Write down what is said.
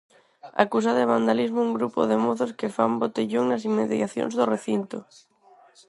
Acusa de vandalismo un grupo de mozos que fan 'botellón' nas inmediacións do recinto.